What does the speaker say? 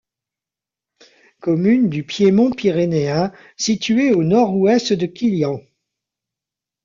Commune du piémont pyrénéen située au nord-ouest de Quillan.